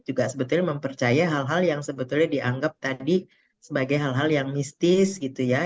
juga sebetulnya mempercaya hal hal yang sebetulnya dianggap tadi sebagai hal hal yang mistis gitu ya